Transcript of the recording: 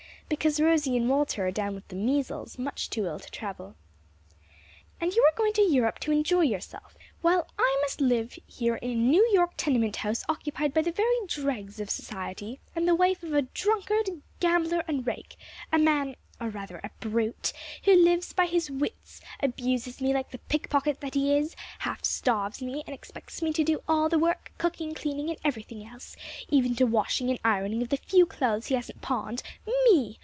"Because Rosie and Walter are down with the measles; much too ill to travel." "And you are going to Europe to enjoy yourself, while I must live here in a New York tenement house occupied by the very dregs of society, and as the wife of a drunkard, gambler, and rake; a man or rather a brute who lives by his wits, abuses me like the pickpocket that he is, half starves me, and expects me to do all the work, cooking, cleaning, and everything else, even to washing and ironing of the few clothes he hasn't pawned; me!